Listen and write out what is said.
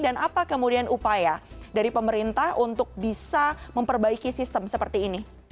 dan apa kemudian upaya dari pemerintah untuk bisa memperbaiki sistem seperti ini